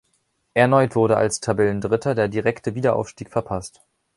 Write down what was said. Erneut wurde als Tabellendritter der direkte Wiederaufstieg verpasst.